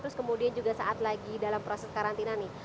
terus kemudian juga saat lagi dalam proses karantina nih